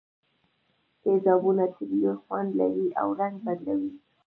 تیزابونه تریو خوند لري او رنګ بدلوي.